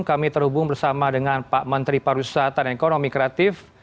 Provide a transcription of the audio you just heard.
kami terhubung bersama dengan pak menteri pariwisata dan ekonomi kreatif